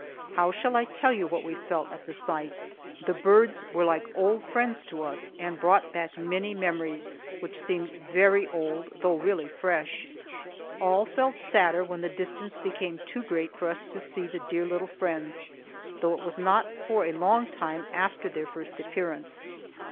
How shall I tell you what we felt at the sight? The birds were like old friends to us, and brought back many memories, which seemed very old, though really fresh. All felt sadder when the distance became too great for us to see the dear little friends, though it was not for a long time after their first appearance.